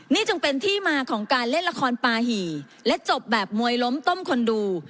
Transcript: นี่จึงเป็นที่มาของการเล่นละครปาหี่และจบแบบมวยล้มต้มคนดู